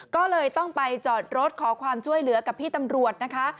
ก็เลยต้องไปจอดรถขอความช่วยเหลือกับพี่ตำรวจนะคะ